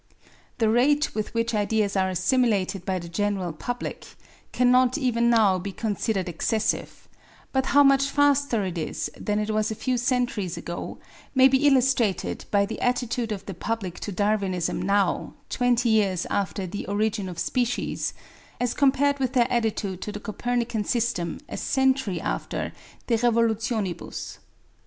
The rate with which ideas are assimilated by the general public cannot even now be considered excessive, but how much faster it is than it was a few centuries ago may be illustrated by the attitude of the public to Darwinism now, twenty five years after The Origin of Species, as compared with their attitude to the Copernican system a century after De Revolutionibus.